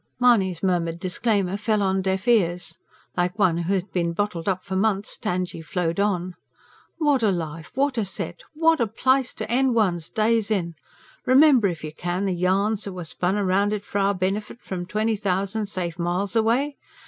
Mahony's murmured disclaimer fell on deaf ears. Like one who had been bottled up for months, Tangye flowed on. "What a life! What a set! What a place to end one's days in! Remember, if you can, the yarns that were spun round it for our benefit, from twenty thousand safe miles away.